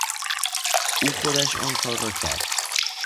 او خودش آن کار را کرد.